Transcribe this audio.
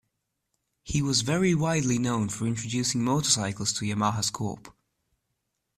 He was very widely known for introducing motorcycles to Yamaha's corp.